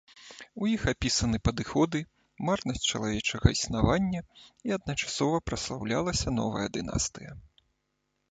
У іх апісаны паходы, марнасць чалавечага існавання і адначасова праслаўлялася новая дынастыя.